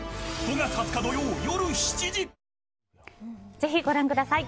ぜひご覧ください。